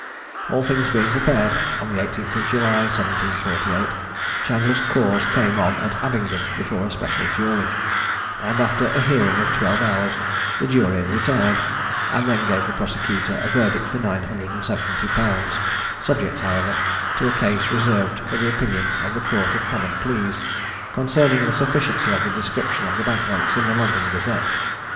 All things being prepared, on the 18th of July 1748, Chandler's cause came on at Abingdon, before a special jury; and, after a hearing of twelve hours, the jury retired, and then gave the prosecutor a verdict for nine hundred and seventy pounds, subject, however, to a case reserved for the opinion of the Court of Common Pleas, concerning the sufficiency of the description of the bank notes in the London Gazette.